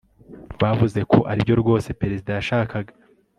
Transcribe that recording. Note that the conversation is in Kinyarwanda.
bavuze ko aribyo rwose perezida yashakaga